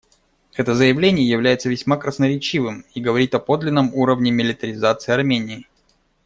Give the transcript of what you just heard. Это заявление является весьма красноречивым и говорит о подлинном уровне милитаризации Армении.